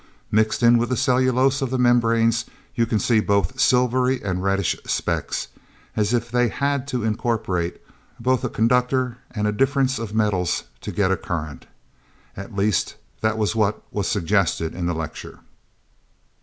Mixed in with the cellulose of the membranes, you can see both silvery and reddish specks as if they had to incorporate both a conductor and a difference of metals to get a current. At least, that was what was suggested in the lecture..."